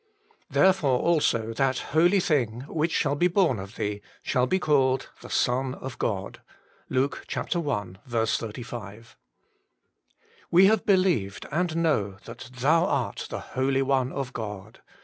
Therefore also that holy thing which shall be born of thee shall be called the Son of God.' LUKE i. 35. We have believed and know that Thou art the Holy One of God.'